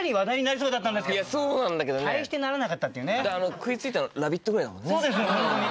食い付いたの『ラヴィット！』ぐらいだもんね。